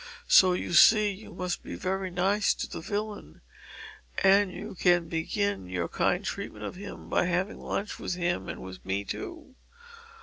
So you see you must be very nice to the villain and you can begin your kind treatment of him by having lunch with him and with me too.